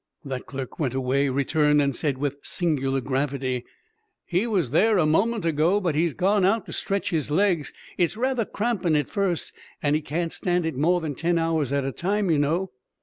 The clerk went away, returned, and said with singular gravity, "He was there a moment ago, but he's gone out to stretch his legs. It's rather crampin' at first; and he can't stand it more than ten hours at a time, you know."